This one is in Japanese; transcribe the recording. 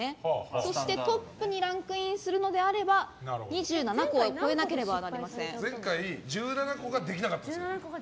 そしてトップにランクインするのであれば前回１７個ができなかったんです。